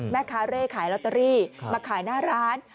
แม่ค้าเร่ขายลอตเตอรี่มาขายหน้าร้าน